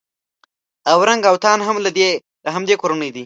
اورنګ اوتان هم له همدې کورنۍ دي.